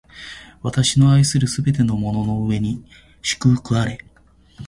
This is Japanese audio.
私の愛するすべてのものの上に祝福あれ！